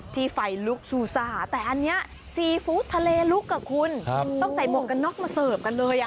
แต่อันนี้ซีฟู้ดทะเลลุกอะคุณต้องใส่หมวกกันนอกมาเสิร์ฟกันเลย